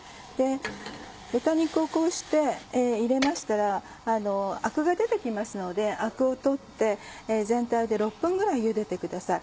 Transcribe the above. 豚肉をこうして入れましたらアクが出て来ますのでアクを取って全体で６分ぐらいゆでてください。